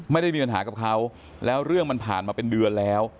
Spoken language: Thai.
ไม่ได้มีปัญหากับเขาแล้วเรื่องมันผ่านมาเป็นเดือนแล้ว